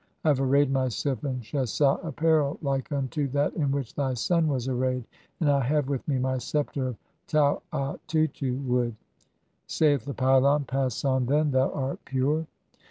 I have arrayed myself in shesd apparel like unto "that in which thy son [was arrayed], and I have with "me my sceptre of tau atutu wood." [Saith the pylon :—] "Pass on, then, thou art pure."